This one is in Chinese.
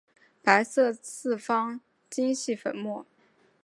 白色四方晶系粉末。